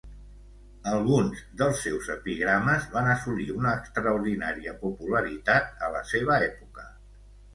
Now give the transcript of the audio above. Alguns dels seus epigrames van assolir una extraordinària popularitat a la seva època.